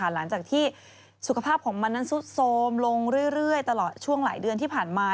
หลังจากที่สุขภาพของมันนั้นซุดโทรมลงเรื่อยตลอดช่วงหลายเดือนที่ผ่านมา